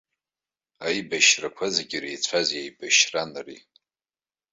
Аибашьрақәа зегьы иреицәаз еибашьран ари.